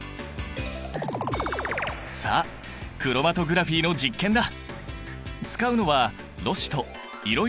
さあクロマトグラフィーの実験だ！